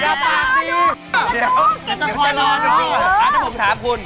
เดี๋ยวตอนนี้ผมถามคุณ